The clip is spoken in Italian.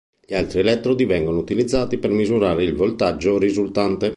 Gli altri elettrodi vengono utilizzati per misurare il voltaggio risultante.